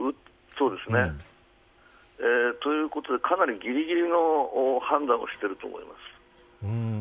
そうですね。ということでかなりぎりぎりの判断をしていると思います。